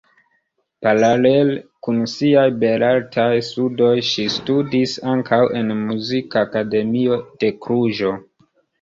Paralele kun siaj belartaj studoj ŝi studis ankaŭ en muzikakademio de Kluĵo.